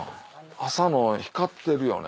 朝の光ってるよね